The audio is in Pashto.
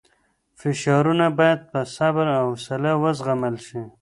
فشارونه باید په صبر او حوصله وزغمل شي.